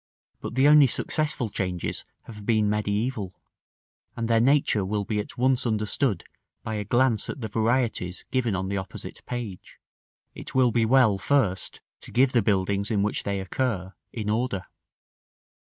But the only successful changes have been mediæval; and their nature will be at once understood by a glance at the varieties given on the opposite page. It will be well first to give the buildings in which they occur, in order.